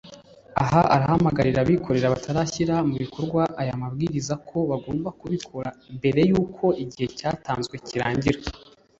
Aha arahamagarira abikorezi batarashyira mu bikorwa aya mabwiriza ko bagomba kubikora mbere y’uko igihe cyatanzwe kirangira